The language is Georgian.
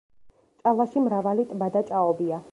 ჭალაში მრავალი ტბა და ჭაობია.